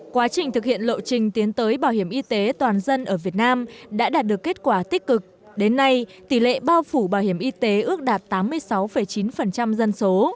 quá trình thực hiện lộ trình tiến tới bảo hiểm y tế toàn dân ở việt nam đã đạt được kết quả tích cực đến nay tỷ lệ bao phủ bảo hiểm y tế ước đạt tám mươi sáu chín dân số